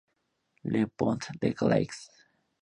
Le Pont-de-Claix